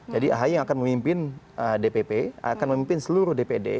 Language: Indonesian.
jadi ahy yang akan memimpin dpp akan memimpin seluruh dpd